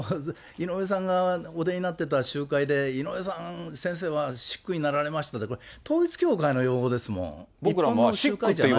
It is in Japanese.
だから、井上さんがお出になってた集会で、井上先生は食口になられましたって、統一教会の用語ですもん。